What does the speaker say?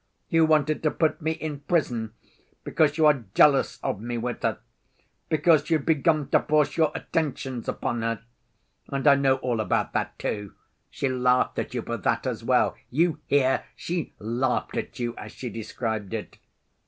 You wanted to put me in prison because you are jealous of me with her, because you'd begun to force your attentions upon her; and I know all about that, too; she laughed at you for that as well—you hear—she laughed at you as she described it.